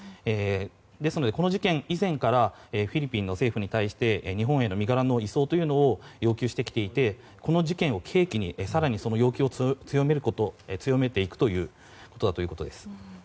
ですので、この事件以前からフィリピンの政府に対して日本への身柄の移送を要求してきていてこの事件を契機に更にその要求を強めていくということです。